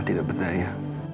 tidak benar ya